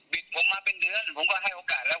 ผมมาเป็นเดือนผมก็ให้โอกาสแล้ว